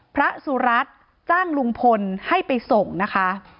พระสุรัตน์จ้างลุงพลให้ไปส่งนะคะ